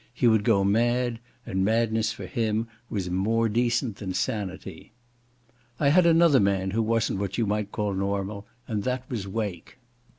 He would go mad, and madness for him was more decent than sanity. I had another man who wasn't what you might call normal, and that was Wake.